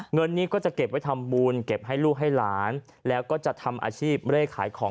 เงินนี้ก็จะเก็บไว้ทำบุญเก็บให้ลูกให้หลาน